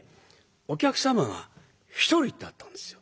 お客様が１人だったんですよ。